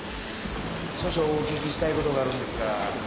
少々お聞きしたいことがあるんですが。